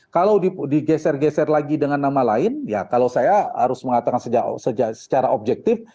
kalau digeser geser lagi dengan nama lain ya kalau saya harus mengatakan secara objektif